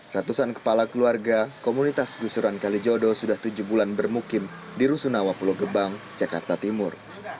ratusan kepala keluarga komunitas gusuran kalijodo sudah tujuh bulan bermukim di rusunawa pulau gebang jakarta timur